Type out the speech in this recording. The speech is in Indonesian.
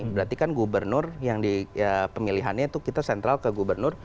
berarti kan gubernur yang di pemilihannya itu kita sentral ke gubernur